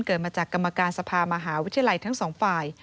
เกิดมาจากกรรมการสภามหาวิทยาลัยทั้งสองฝ่าย